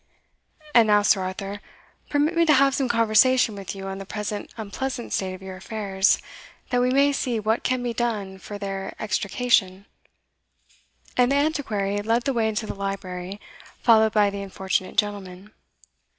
And now, Sir Arthur, permit me to have some conversation with you on the present unpleasant state of your affairs, that we may see what can be done for their extrication;" and the Antiquary led the way into the library, followed by the unfortunate gentleman.